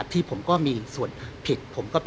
ที่ผมก็มีส่วนผิด